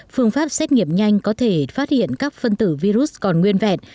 phương pháp xét nghiệm nhanh có thể phát hiện các phân tử virus còn nguyên vẹn